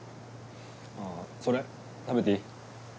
ああそれ食べていい？